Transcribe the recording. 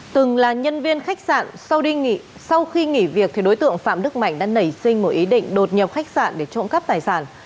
từng là nhân viên khách sạn sau khi nghỉ việc đối tượng phạm đức mạnh đã nảy sinh một ý định đột nhập khách sạn để trộm cắp tài sản